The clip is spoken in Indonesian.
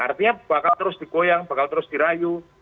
artinya bakal terus digoyang bakal terus dirayu